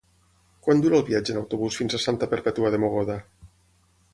Quant dura el viatge en autobús fins a Santa Perpètua de Mogoda?